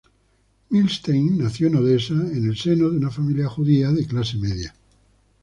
Milstein nació en Odessa en el seno de una familia judía de clase media.